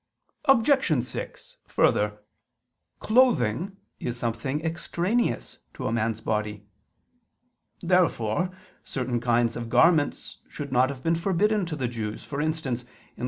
Obj. 6: Further, clothing is something extraneous to man's body. Therefore certain kinds of garments should not have been forbidden to the Jews: for instance (Lev.